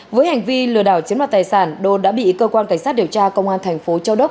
với hành vi lừa đảo chiếm đoạt tài sản đô đã bị cơ quan cảnh sát điều tra công an thành phố châu đốc